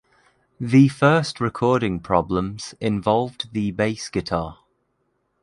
The first recording problems involved the bass guitar.